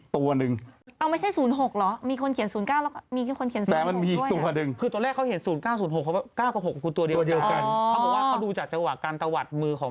แต่ยังมีอีกเลขหนึ่ง